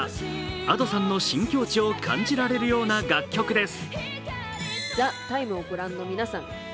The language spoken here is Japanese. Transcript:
Ａｄｏさんの新境地を感じられるような楽曲です。